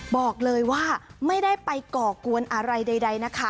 บอกเลยว่าไม่ได้ไปก่อกวนอะไรใดนะคะ